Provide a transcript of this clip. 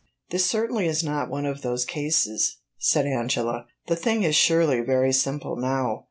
"This certainly is not one of those cases," said Angela. "The thing is surely very simple now."